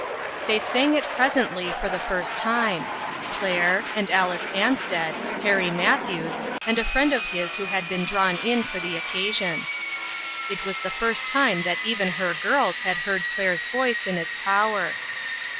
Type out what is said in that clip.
They sang it presently, for the first time; Claire and Alice Ansted, Harry Matthews STARTING FOR HOME. 22 5 and a friend of his who had been drawn in for the occasion. It was the first time that even her girls had heard Claire's voice in its power.